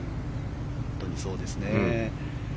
本当にそうですね。